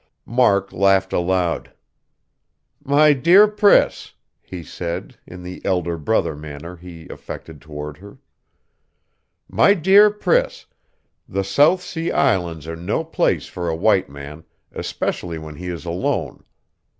Mark laughed aloud. "My dear Priss," he said, in the elder brother manner he affected toward her. "My dear Priss, the South Sea Islands are no place for a white man, especially when he is alone.